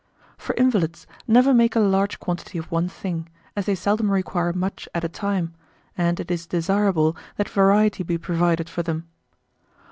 1842. For invalids, never make a large quantity of one thing, as they seldom require much at a time; and it is desirable that variety be provided for them.